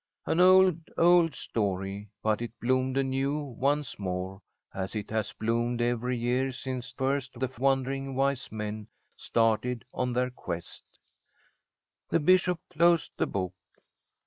An old, old story, but it bloomed anew once more, as it has bloomed every year since first the wondering wise men started on their quest. The bishop closed the Book.